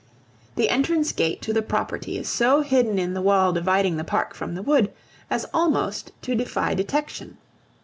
The entrance gate to the property is so hidden in the wall dividing the park from the wood as almost to defy detection.